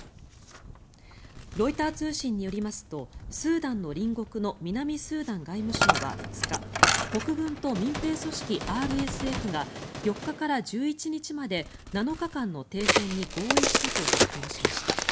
ロイター通信によりますとスーダンの隣国の南スーダン外務省は２日国軍と民兵組織ＲＳＦが４日から１１日まで７日間の停戦に合意したと発表しました。